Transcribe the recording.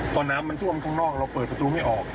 พอน้ำมันท่วมข้างนอกเราเปิดประตูไม่ออก